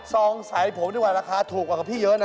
องใสผมดีกว่าราคาถูกกว่ากับพี่เยอะนะ